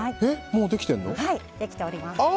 できております。